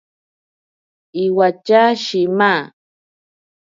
Iwatya shima.